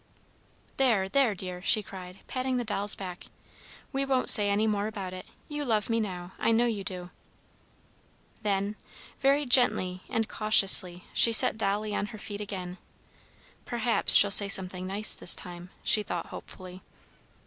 "There, there, dear!" she cried, patting the doll's back, "we won't say any more about it. You love me now, I know you do!" Then, very gently and cautiously, she set Dolly on her feet again. "Perhaps she'll say something nice this time," she thought hopefully.